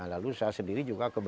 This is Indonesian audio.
lalu saya sendiri juga